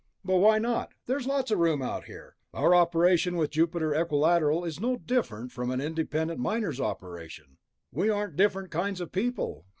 "But why not? There's lots of room out here. Our operation with Jupiter Equilateral is no different from an independent miner's operation. We aren't different kinds of people."